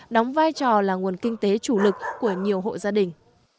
đóng vai trò là nguồn kinh tế chủ lực của nhiều hộ gia đình